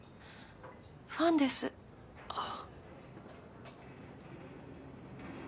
ファンですあっ